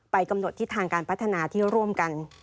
กำหนดทิศทางการพัฒนาที่ร่วมกัน